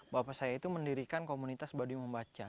bapak saya itu mendirikan komunitas baduy membaca